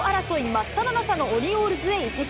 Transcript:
真っただ中のオリオールズへ移籍。